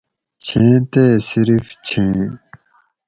چھیں تے صرف چھیں